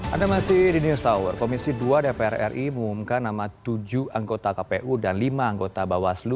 anda masih di news hour komisi dua dpr ri mengumumkan nama tujuh anggota kpu dan lima anggota bawaslu